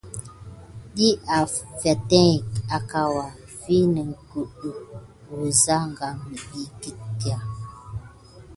Ɗiy afeteŋgək akawa wi negudick wusa kan nikidi.